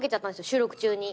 収録中に。